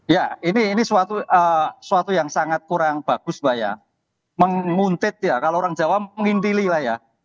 ya ini suatu yang sangat kurang bagus mbak ya menguntit ya kalau orang jawa mengintili lah ya